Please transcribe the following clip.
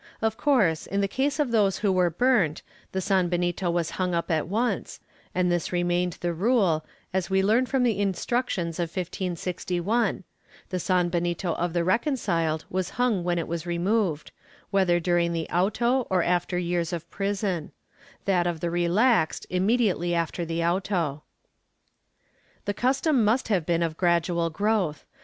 ^ Of course, in the case of those who were burnt, the sanbenito was hung up at once, and this remained the rule, as we learn from the Instructions of 1561 — the sanbenito of the reconciled was hung when it was re moved, whether during the auto or after years of prison; that of the relaxed, immediately after the auto.^ The custom must have been of gradual growth.